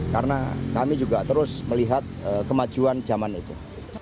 karena kami juga terus melihat kemajuan zaman itu